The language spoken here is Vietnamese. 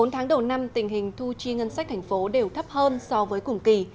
bốn tháng đầu năm tình hình thu chi ngân sách thành phố đều thấp hơn so với cùng kỳ